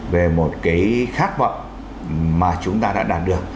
về một cái khát vọng mà chúng ta đã đạt được